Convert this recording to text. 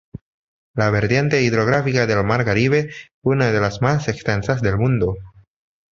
La vertiente hidrográfica del mar Caribe es una de las más extensas del mundo.